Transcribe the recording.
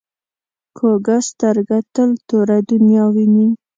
کوږه سترګه تل توره دنیا ویني